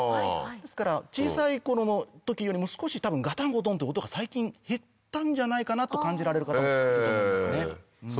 ですから小さい頃の時よりも少し多分ガタンゴトンって音が最近減ったんじゃないかなと感じられる方もいると思うんですよね。